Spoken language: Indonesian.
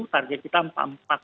target kita rp empat enam puluh